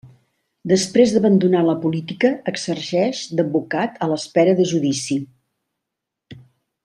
Després d'abandonar la política, exerceix d'advocat, a l'espera de judici.